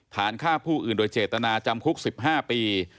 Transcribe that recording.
ฐานฆ่าผู้อื่นโดยเจตนาจำคุก๑๕ปี